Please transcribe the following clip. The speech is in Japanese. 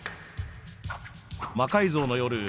「魔改造の夜」